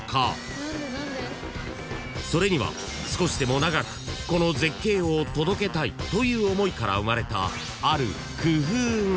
［それには少しでも長くこの絶景を届けたいという思いから生まれたある工夫が］